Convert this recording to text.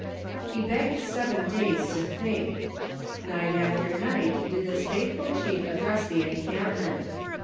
He begged seven days to think. Night after night did this faithful chief address the encampment.